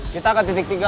kita ke titik tiga